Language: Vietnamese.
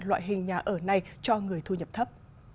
loại hình nhà ở này cho người thu nhập thấp